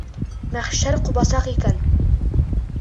Мәхшәр ҡубасаҡ икән.